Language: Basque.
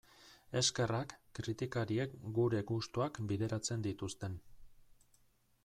Eskerrak kritikariek gure gustuak bideratzen dituzten...